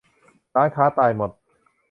ร้านค้าตายหมด